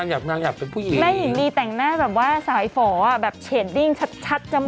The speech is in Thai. โอ้สวยคุณว่าดีแม่หญิงลีแต่งหน้าแบบว่าสายฝาอ่ะแชดดิ้งชัดจมูกชัด